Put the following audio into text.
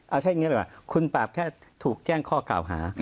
เอาใช้อย่างนี้ดีกว่าคุณปราบแค่ถูกแจ้งข้อกล่าวหา